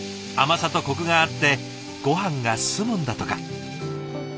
甘さとコクがあってごはんが進むんだとか。